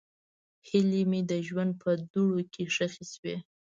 هیلې مې د ژوند په دوړو کې ښخې شوې.